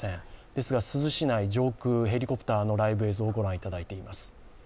ですが珠洲市内上空、ヘリコプターのライブ映像をご覧いただいています。